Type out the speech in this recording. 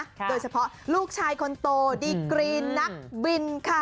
โดยเฉพาะลูกชายคนโตดีกรีนนักบินค่ะ